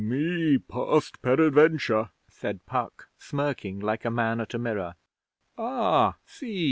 Me past peradventure,' said Puck, smirking like a man at a mirror. 'Ah, see!